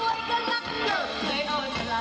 ก็คือเมื่อวานนี้เดินทางมาถึงคืนที่สองแล้วนะ